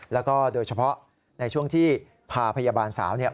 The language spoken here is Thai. แล้วก็โดยเฉพาะในช่วงที่พาพยาบาลสาวเนี่ย